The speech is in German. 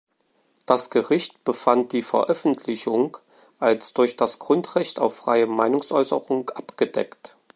Das Gericht befand die Veröffentlichung als durch das Grundrecht auf freie Meinungsäußerung abgedeckt.